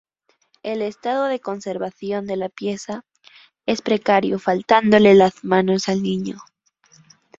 El estado de conservación de la pieza es precario, faltándole las manos al niño.